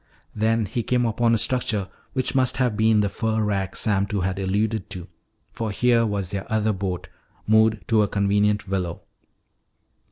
Then he came upon a structure which must have been the fur rack Sam Two had alluded to, for here was their other boat moored to a convenient willow.